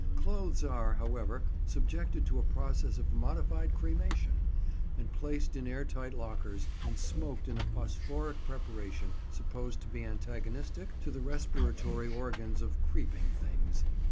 Clothes are, however, subjected to a process of modified cremation, and placed in airtight lockers, and smoked in a phosphoric preparation supposed to be antagonistic to the respiratory organs of creeping things.